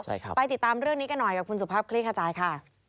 ใช่ครับไปติดตามเรื่องนี้กันหน่อยกับคุณสุภาพคลี่ขจายค่ะ